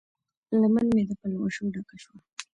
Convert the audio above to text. لمن مې د پلوشو ډکه شوه